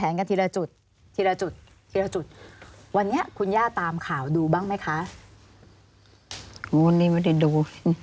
อันนี้ไม่ได้ดู